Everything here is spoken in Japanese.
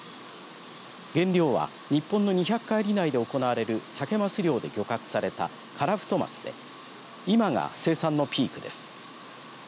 原料は日本の２００海里内で行われるサケマス漁で漁獲されたカラフトマスで今が生産のピークです。